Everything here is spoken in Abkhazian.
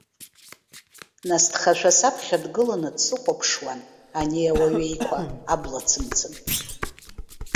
Насҭхашәа саԥхьа дгыланы дсыхәаԥшуан, ани ауаҩеиқәа, абла цымцым.